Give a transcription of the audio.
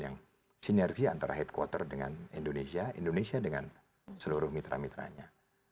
yang sinergi antara headquarter dengan indonesia indonesia dengan seluruh mitra mitranya